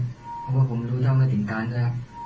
เพราะว่าผมรู้ชาวไม่สิ่งการนะครับ